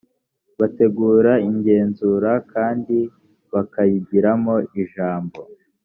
bategura igenzura kandi bakayigiramo ijambo